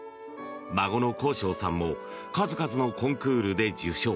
孫の幸昇さんも数々のコンクールで受賞。